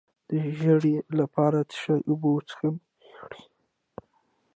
د ژیړي لپاره د څه شي اوبه وڅښم؟